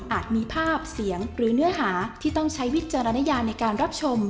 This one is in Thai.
มีภาพเสียงหรือเนื้อหาที่ต้องใช้วิจารณญาในการรับชม